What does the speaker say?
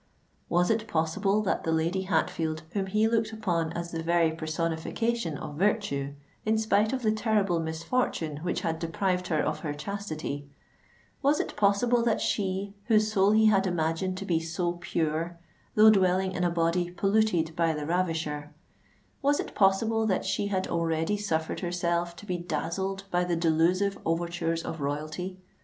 Was it possible that the Lady Hatfield whom he looked upon as the very personification of virtue, in spite of the terrible misfortune which had deprived her of her chastity,—was it possible that she, whose soul he had imagined to be so pure, though dwelling in a body polluted by the ravisher,—was it possible that she had already suffered herself to be dazzled by the delusive overtures of royalty?